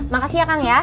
makasih ya kang ya